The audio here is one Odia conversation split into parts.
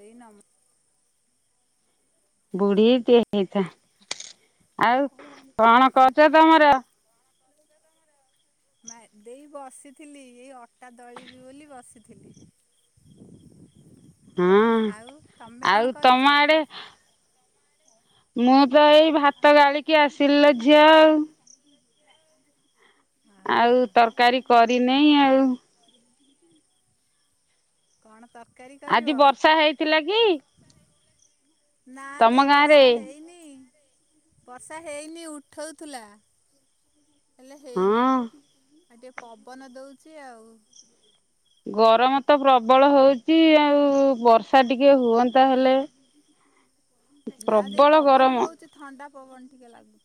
ଦେଇ ନାମ ବୁଢୀଟିଏ ହେଇଥା ଆଉ କଣ କରୁଛ ତମର। ମା ଦେଇ ବସିଥିଲି ଏଇ ଅଟା ଦଳିବି ବୋଲି ବସିଥିଲି। ହଁ ଆଉ ତମେ ଆଉ କଣ ତମ କରୁଛ? ଆଡେ ମୁଁ ତ ଏଇ ଭାତ ଗାଳିକି ଆସିଲ ଝିଅ ଆଉ। ଆହା ଆଉ ତରକାରୀ କରିନେଇ ଆଉ। କଣ ତରକାରୀ ଆଜି କରିବ? ବର୍ଷା ହେଇଥିଲା କି ନା ତମ ଦେଇ ଗାଁରେ? ବର୍ଷା ହେଇନି। ବର୍ଷା ହେଇନି ଉଠଉଥିଲା ହେଲେ ହେଇନି। ହଁ ଆଉ ଟିକେ ପବନ ଦଉଛି ଆଉ। ଗରମ ତ ପ୍ରବଳ ହଉଚି ଆଉ ବର୍ଷା ଟିକେ ହୁଅନ୍ତା ହେଲେ। ନା ଦେଇ ପ୍ରବଳ ଗରମ ପବନ ହଉଛି ଥଣ୍ଡା ପବନ ଟିକେ ଲାଗୁଛି।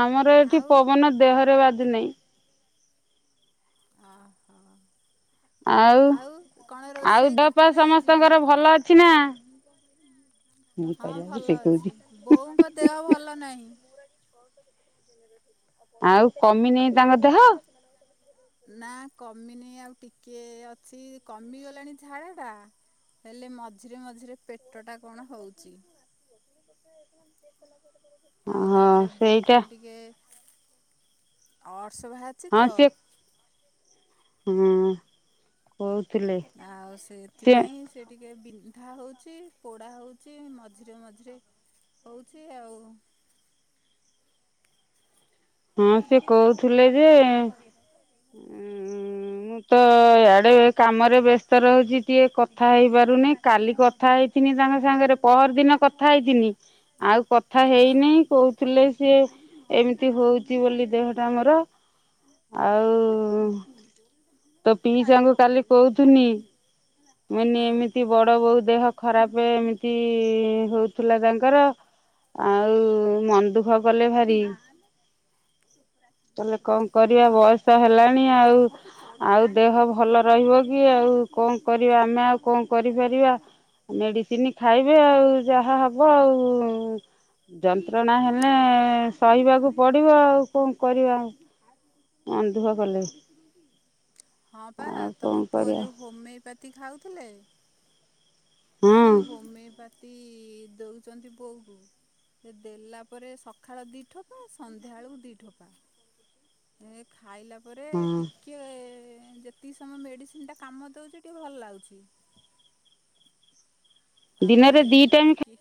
ଆମର ଏଠି ଆଉ ପବନ ଦେହରେ ବାଜୁ ନାହିଁ। ଓହୋ। ଆଉ କଣ ଆଉ ରୋଷେଇ ଦେହ କରିଛ ପା ଦେଇ ଆଜି? ସମସ୍ତଙ୍କର ଭଲ ଅଛି ନା। ମୁଁ ହଁ କହିଲା ବେଳକୁ ସେ ଭଲ କହୁଛି ଅଛି ବୋଉଙ୍କ ଦେହ ଭଲ ନାହିଁ। ଆଉ କମି ନେଇ ତାଙ୍କ ଦେହ। ନା କମିନେଇ ଆଉ ଟିକେ ଅଛି କମିଗଲାଣି ଝାଡ଼ା ଟା। ହେଲେ ମଝିରେ ମଝିରେ ପେଟଟା କଣ ହଉଛି। [unintelligible] ଆଉ ତାପରେ ସେଇଟା ବୋଉଙ୍କର ଟିକେ ଅର୍ସ ବାହାରିଛି ତ। ହୁଁ। କହୁଥିଲେ। ଆଉ ସିଏ ଏଥିପାଇଁ ସେ ଟିକେ ବିନ୍ଧା ହଉଛି ପୋଡା ହଉଛି ମଝିରେ ମଝିରେ ହଉଛି ଆଉ। ହଁ ସେ କହୁଥିଲେ ଯେ ମୁଁ ତ ଇଆଡେ କାମରେ ବ୍ୟସ୍ତ ରହୁଛି ଟିକେ କଥା ହେଇପାରୁନି। କାଲି କଥା ହେଇଥିନି ତାଙ୍କ ସାଙ୍ଗରେ ପହର ଦିନ କଥା ହେଇଥିନି ଆଉ କଥା ହଁ ହେଇନି କହୁଥିଲେ ସିଏ ଏମିତି ହଉ ଛି ବୋଲି ଦେହଟା ଆମର ଆଉ ତ ପିଇସାଙ୍କୁ କାଲି କହୁଥୁନି ମାନେ ହଁ ଏମିତି ଏମିତି ବଡ ବୋଉ ଦେହ ଖରାପ ଏମିତି ହଉଥିଲା ତାଙ୍କର ଆଉ ମନ ଦୁଃଖ କଲେ ଭାରି। ତାହେଲେ କଣ କରିବା ହଁ ବୟସ ହେଲାଣି ଆଉ। ଆଉ ଦେହ ଭଲ ରହିବ କି ଆଉ କଣ କରିବା ଆମେ ଆଉ କଣ କରିପାରିବା। ମେଡ଼ିସିନ ଖାଇବେ ଆଉ ଯାହା ହବ ଆଉ। ଯନ୍ତ୍ରଣା ହେଲେ ସହିବାକୁ ପଡ଼ିବ ଆଉ କଣ କରିବା ମନ ଦୁଃଖ କଲେ ହଁ ପା ଆଉ କଣ ତମ ପୁଅ କରିବା ଯୋଉ ହୋମିଓପାଥି ଖାଉଥିଲେ? ହଁ ସେଇ ହୋମିଓପାଥି ଦଉଛନ୍ତି ବୋଉକୁ। ସେ ଦେଲା ପରେ ସକାଳ ଦୁଇ ଠୋପା ସନ୍ଧ୍ୟାବେଳକୁ ଦୁଇ ଠୋପା। ଏ ଖାଇଲା ପରେ ଟି ହଁ କିଏ ଯେତିକି ସମୟ ମେଡିସିନି କାମ ଦେଉଛି ଟିକେ ଭଲ ଲାଗୁଛି। ତାପରେ ଦିନରେ ଦି ଟାଇମ୍ ଟିକେ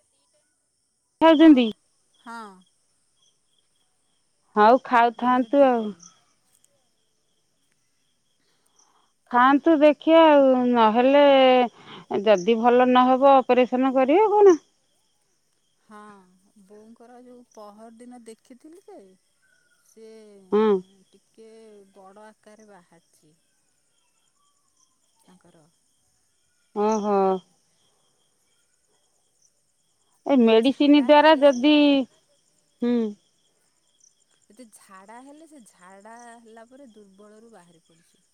ହଁ ଖାଉଛନ୍ତି ହଁ। ଆଉ ଦିନରେ ଖାଉଥାନ୍ତୁ ଦି ଆଉ। ଟାଇମ୍ ଖାଆନ୍ତୁ ଦେଖିବା ଆଉ ନହେଲେ ଯଦି ଭଲ ନହେବ ଅପରେସନ୍ କରିବା କଣ? ହଁ ବୋଉଙ୍କର ଯୋଉ ପହର ଦିନ ଦେଖିଥିଲି ଯେ ସିଏ ହଁ ଉଁ ଟିକେ ବଡ଼ ଆକାରରେ ବାହାରିଛି। ତାଙ୍କର? ଓ ହୋ। ଏଇ ଯେ ମେଡିସିନ ଝାଡ଼ା ଦ୍ଵାରା ହେଲେ ଯଦି ହୁଁ? ଏତେ ଝାଡ଼ା ହେଲେ ସେ ଝାଡ଼ା ହେଲା ପରେ ଦୁର୍ବଳରୁ ବାହାରି ପଡୁଛି।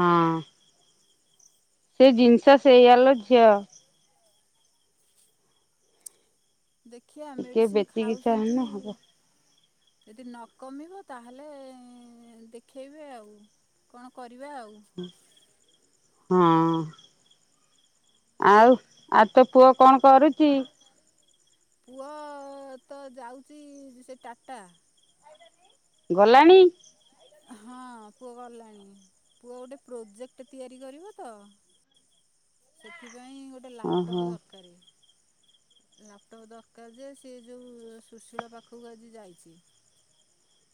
ହଁ। ସେ ଜିନିଷ ସେଇଆଲୋ ଝିଅ। ଦେଖିଆ ଟିକେ ମେଡିସିନ ବେତିକିଚା ଖାଉଛନ୍ତି ହେଲେ ହବ ଯଦି ନକମିବ ତାହେଲେ ଦେଖେଇବେ ଆଉ କଣ କରିବା ଆଉ? ହଁ। ଆଉ ଆଉ ତୋ ପୁଅ କଣ କରୁଚି? ପୁଅ ତ ଯାଉଛି ସେ ଟାଟା। ଗଲାଣି? ହଁ ପୁଅ ଗଲାଣି ପୁଅ ଗୋଟେ ପ୍ରୋଜେକ୍ଟ ତିଆରି କରିବ ତ। ସେଥିପାଇଁ ଗୋଟେ ଓହୋ ଲାପଟପ୍ ଦରକାର। ଲାପଟପ୍ ଦରକାର ଯେ ସିଏ ଯେଉଁ ସୁଶୀଳ ପାଖକୁ ଆଜି ଯାଇଛି?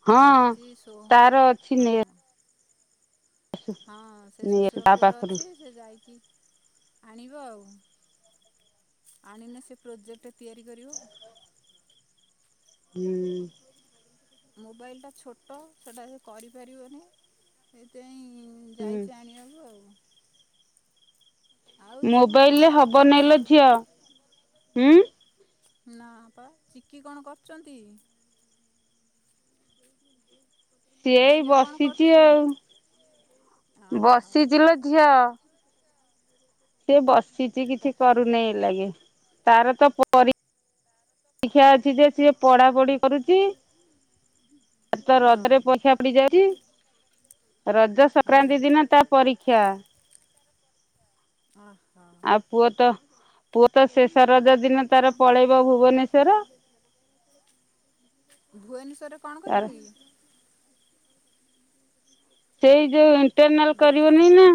ହଁ ଯାଇଛିି ସୋ ତାର ଅଛି ନେ ହଁ। ହଁ ସେ ନେ ସୁଶୀଳ ତା ପୁଅର ପାଖରୁ ଅଛି ସେ ଯାଇକି ଆଣିବ ଆଉ। ଆଣିନେ ସେ ପ୍ରୋଜେକ୍ଟ ତିଆରି କରିବ। ହୁଁ। ମୋବାଇଲ୍ ଟା ଛୋଟ ସେଟା ସେ କରିପାରିବନି, ସେଇଥିପାଇଁ ହୁଁ ଯାଇଛି ଆଣିବାକୁ ଆଉ। ଆଉ ଚିକି କଣ ମୋବାଇଲରେ କରୁଚନ୍ତି? ହବନେଇଲୋ ଝିଅ ହୁଁ ନା ତ, ଚିକି କଣ କରୁଚନ୍ତି? [inaudible] ସିଏ ଏଇ ଝିଅ କଣ ବସିଛି କରୁଛି ଆଉ, ଓହୋ ବସିଚି ଲ ଝିଅ। ସେ ବସିଛି ପ କିଛି କରୁନି ଏଇ ଲାଗି ତାର ତ ପରୀ କ୍ଷା ଅଛି ଯେ ସିଏ ପଢା ପଢି କରୁଛି। ଆ, ତ ହଁ ରଜରେ ପରୀକ୍ଷା ପଡି ଯାଉଚି। ରଜ ହୁଁ ସଂକ୍ରାନ୍ତି ଦିନ ତା ପରୀକ୍ଷା। ଅ ହୋ। ଆଉ ପୁଅ ତ ପୁଅ ତ ଶେଷ ରଜ ଦିନ ତାର ପଳେଇବ ଭୁବନେଶ୍ବର। ଭୁବନେଶ୍ୱରରେ କଣ ତାର କରିବ କି? ସେଇ ଯୋଉ ଇଣ୍ଟରନାଲ୍ ଦେ କରିବ ନାଇନା।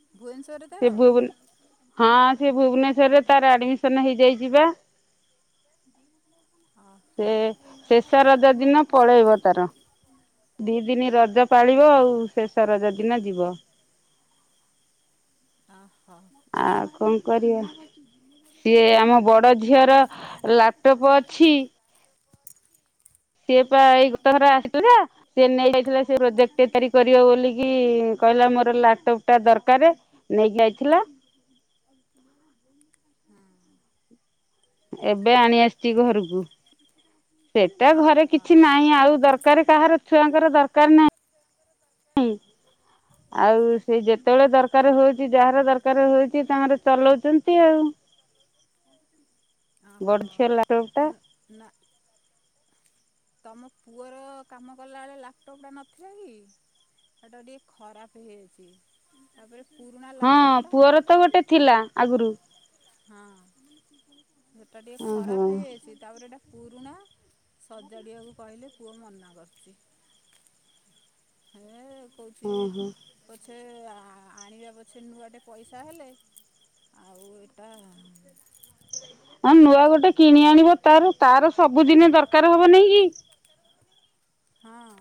ଭୁବନେଶ୍ୱର ସେ ଭୁବନେ ହଁ ସେ ଭୁବନେଶ୍ୱରରେ ତାର ଆଡମିସନ୍ ହେଇଯାଇଛି ବା। ଓହୋ ସେ ହଁ ଶେଷ ରଜ ଦିନ ପଳେଇବ ତାର, ଦି ଦିନ ରଜ ପାଳିବ ଆଉ। ଶେଷ ରଜ ଦିନ ଯିବ। ଓ ହୋ। ଆଉ କଣ କରିବା? ସିଏ ଆମ ବଡ଼ ଝିଅର ଲାପଟପ୍ ଅଛି। ସିଏ ପା ଏଇ ଗତ ଥର ଆସିଥିଲା। ସିଏ ନେଇ ଯାଇଥିଲା ସେ ପ୍ରୋଜେକ୍ଟ [inaudible] କରିବ ବୋଲିକି କହିଲା ମୋର ଲାପଟପ୍ ଟା ଦରକାର। ନେଇକି ଯାଇଥିଲା। ହଁ। ଏବେ ଆଣି ଆସିଛି ଘରକୁ। ସେଟା ଘରେ ଓହୋ କିଛି ନାହିଁ ଆଉ ଦରକାର କାହାର ଛୁଆଙ୍କର ଦରକାର ନା ନାହିଁ। ହ। ଆଉ ସେ ଯେତେବେଳେ ଦରକାର ହଉଛି ଯାହାର ଦରକାର ହଉଛି ତାଙ୍କର ଚଲଉଚନ୍ତି ଆଉ। ବଡ ଓହୋ, ଝିଅ ଲାପଟପ୍ ଟା ନ- ନା ତୋମ ପୁଅର କାମ କଲାବେଳେ ଲାପଟପ୍ ଟା ନଥିଲା କି? ସେଟା ଟିକେ ଖରାପ ହେଇଯାଇଛି। ତାପରେ ପୁରୁଣା ଲାପଟପ୍ ଟା। ତୋର ତ ଗୋଟେ ଥିଲା ଆଗରୁ। ହଁ ସେଟା ଟିକେ ଓହୋ। ଖରାପ ହେଇଯାଇଛି। ତା ପରେ ଏଇଟା ପୁରୁଣା ସଜାଡ଼ିବାକୁ କହିଲେ ପୁଅ ମନା କରୁଚି। ହେ କହୁଛି ଓହୋ ପଛେ ଆ, ଆଣିବା ପଛେ ନୂଆ ଟେ ପଇସା ହେଲେ। ଆଉଉ ଏଇଟା ହଁ ନୂଆ ଗୋଟେ ସଜାଡ଼ନା କିଣି ଆଣିବ ତାର ତାର ସବୁଦିନ ଦରକାର ହବ ନାଇଁ କି? ହଁ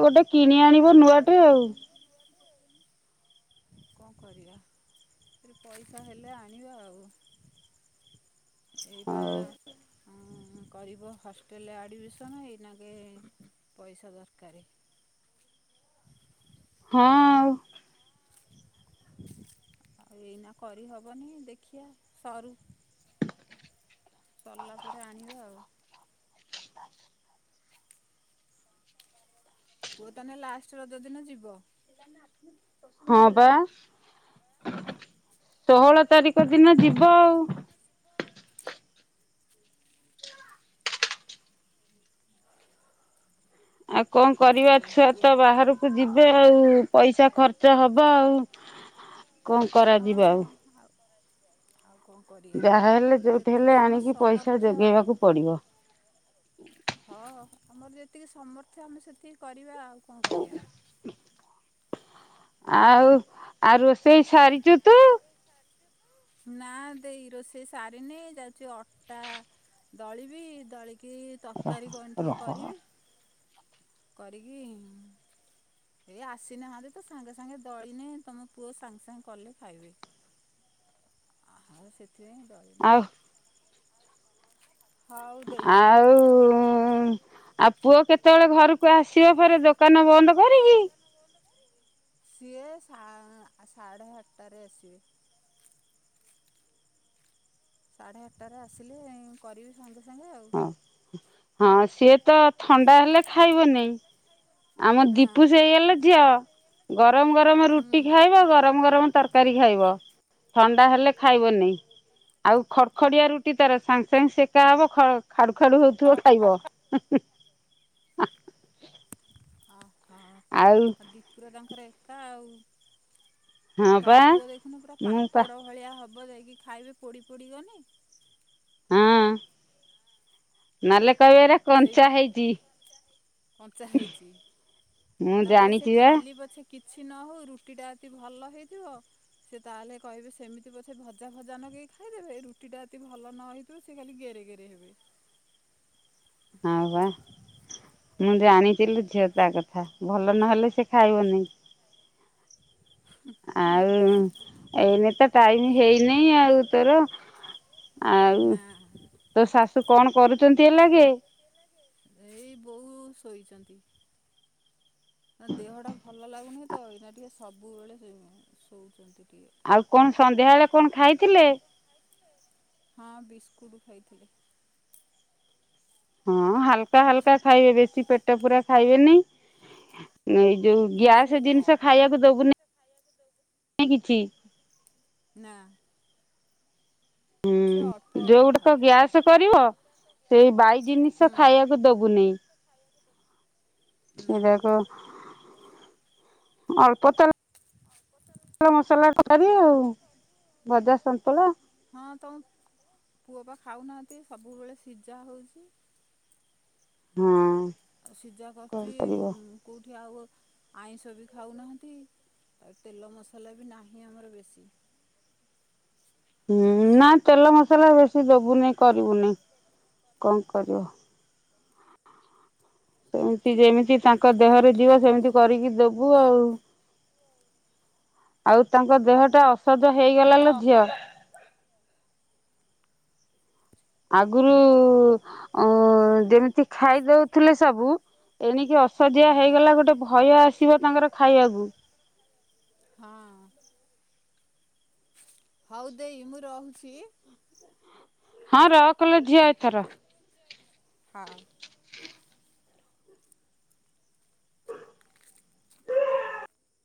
ଗୋଟେ କିଣି ଆଣିବ ନୂଆ ଟେ ଆଉ। କଣ କରିବା ସେରେ ପଇସା ହେଲେ ଆଣିବା ଆଉ। ଏପା। ଉଁ କରିବ ହଷ୍ଟେଲ ଆଡ଼ମିସନ୍ ହେଇନାକେ ପଇସା ଦରକାର। ହଁ ଆଉ। ଆଉ ଏଇନା କରିହବନି ଦେଖିବା ସରୁ। ସରିଲା ପରେ ଆଣିବା ଆଉ। ପୁଅ ତାହେଲେ ଲାଷ୍ଟ ରକ ଦିନ ଯିବ। [inaudible] ହଁ ବା ଷୋହଳ ତାରିଖ ଦିନ ଯିବ ଆଉ। ଆଉ କଣ କରିବା ଆଉ ଛୁଆ ପୁଅ ତ ବାହାରୁ ଯିବେ ଆଉ ପଇସା ଖର୍ଚ୍ଚ ହବ ଆଉ।। କଣ କରାଯିବ ଆଉ। [inaudible] ଆଉ କଣ କରିବି। ଯାହା ହେଲେ ଯୋଉଠି ହେଲେ ଆଣିକି ପଇସା ଆଉ ଯୋଗେଇବାକୁ ପଡିବ। ହଁ ଆମର ଯେତିକି ସମର୍ଥ ଆମେ ସେତିକି କରିବା ଆଉ କଣ କରିବା। ଆଉ ଆଉ ରୋଷେଇ ସାରିଛୁ ତୁ। ନା ଦେଇ ରୋଷେଇ ସାରନି ଯାଉଛି ଅଟା ଦଳିବି ଦଳିକି ତରକାରୀ କଣ ଟିକେ ରହ। କରିବି। କରିକି ଏ ଆସିନାହାନ୍ତି ତ ସାଙ୍ଗେ ସାଙ୍ଗେ ଦଳିନେ ତମ ପୁଅ ସାଙ୍ଗେ ସାଙ୍ଗେ କଲେ ଖାଇବେ। ଆ ସେଥିପାଇଁଁ ଦଳ। ଆଉ ହଉ ଦେଇ ଆଉ ଆଉ ପୁଅ କେତେବେଳେ ଘରକୁ ଆସିବ ପରେ ଦୋକାନ ବନ୍ଦ କରିକି? କହ ସିଏ ସା ସାଢ଼େ ଆଠଟାରେ ଆସିବେ। ସାଢ଼େ ଆଠଟାରେ ଆସିଲିଁ କରିବି ସାଙ୍ଗେ ସାଙ୍ଗେ ଆଉ। ହଁ ହଁ ସିଏ ତ ଥଣ୍ଡା ହେଲେ ଖାଇବନିଁ। ଆମ ନା ଦୀପୁ ସେ ହେଇଗଲେ ଝିଅ। ଗରମ ଗରମ ରୁଟି ହୁଁ। ଖାଇବ ଗରମ ଗରମ ତରକାର ତରକାରୀ ଖାଇବ ଥଣ୍ଡା ହେଲେ ଖାଇବନି। ଆଉ ଖଡଖଡିଆ ରୁଟି ତାର ସାଙ୍ଗେ ସାଙ୍ଗେ ସେକାା ହବ ଖ ଖାଡୁ ଖାଡୁ ହଉଥିବ ଖାଇବ। ଓହୋ ଆଁ ହ ଆଉ ଆଉ ଦୀପୁର ତାଙ୍କର ଏକା ଆଉ। ହଁ ତମ ପା ପୁଅ ଦେଖୁନ ପୁରା ମୁଁ ପା ପାମ୍ପଡ ଭଳିଆ ହବ ଯାଇକି ଖାଇବେ ପୋଡି ପୋଡି ଗନେ। ହଁ ନହେଲେ କହିବ ସେଇ କଞ୍ଚା ହେଇଛି। କଞ୍ଚା ହେଇଛି ମୁଁ ତାପରେ ସେ ଜାଣିଛି ବା ଖାଲି ପଛେ କିଛି ନ ହେଉ ରୁଟିଟା ଅତି ଭଲ ହେଇଥିବ ସେ ତାହେଲେ କହିବେ ସେମିତି ପଛେ ଭଜା ଭଜା ନକି ଖାଇଦେବେ ରୁଟିଟା ଏ ଭଲ ନହଇ ତ ସେ ଖାଲି ଘେରେ ଘେରେ ହେବେ। ହଁଉ ବା ମୁଁ ଜାଣିଥିଲି ଝିଅ ତା କଥା ଭଲ ନହେଲେ ସେ ଖାଇବନି। ଆଉ ଏଇନେ ତ ଟାଇମ ହେଇନିଁ ଆଉ ତୋର। ଆଉ ନା ତୋ ଶାଶୁ କଣ କରୁଛନ୍ତି ହେଲାଗେ। ଏଇ ବୋଉ ଶୋଇଛନ୍ତି। ନା ଦେହଟା ଭଲ ଲାଗୁନି ତ ଏଇନା ଟିକେ ସବୁବେଳେ ଶୋଉଛନ୍ତି ଟିକେ ଆଉ କଣ ସନ୍ଧ୍ୟା ବଳେ କଣ ଖାଇଥିଲେ? ହଁ ବିସ୍କୁଟ ଖାଇଥିଲି। ହଁ ହାଲକା ହାଲକା ଖାଇବେ ବେଶୀ ପେଟ ପୂରା ଖାଇବେନି। ଯଉ ନା ସେ ଗ୍ୟାସ୍ ଜିନିଷ ଅଳ୍ପ ଖାଇବାକୁ ଦେବୁନି କିଛି ନା। ସେ ଅଳ୍ପ ହୁଁ ଅଳ୍ପ ଯୋଉ ଗୁଡାକ ଖାଉଛନ୍ତି ଗ୍ୟାସ କରିବ ସେଇ ବାଇ ଜିନିଷ ହୁଁ ଖାଇବାକୁ ଦବୁନି ନା ସେଟାକ ଅଳ୍ପ ତା ଭଲ ମସଲା କି ଆଉ ଭଜା ସନ୍ତୁଳା ହଁ ତମ ପୁଅ ପା ଖାଉନାହାନ୍ତି ସବୁବେଳେ ସିଝା ହଉଛି। ହଁ। ସିଝା କରୁଛି କଣ କରିବ? କଉଠି ଆଉ ଆଇଁଷ ବି ଖାଉନାହାନ୍ତି। ଆଉ ତେଲ ମସଲା ବି ନାହିଁ ଆମର ବେଶୀ। ହୁଁ ନା ତେଲ ମସଲା ବେଶୀ ଦବୁନି କରିବୁନି କଣ କରିବ। ସେମିତି ଯେମିତି ତାଙ୍କ ଦେହରୁ ଯିବ ସେମିତି କରିକି ଦବୁ ଆଉ। ଆଉ ତାଙ୍କ ଦେହ ଟା ଅସଧ ହେଇଗଲା ଟା ଲ ଝିଅ। ଅସଜ ଆଗରୁ ଅ ଯେମିତି ଖାଇଦଉଥିଲେ ସବୁ ଏଣିକି ଅସହଆ ହେଇଗଲା ହୁଁ ଗୋଟେ ଭୟ ଆସିବ ତାଙ୍କର ଖାଇବାକୁ। ହଁ। ହଉ ଦେଇ ମୁଁ ରହୁଛି। ହଁ ରଖ ଲ ଝିଅ ଏଥର। ହଁ।